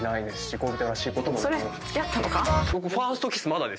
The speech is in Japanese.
それ付き合ったのか？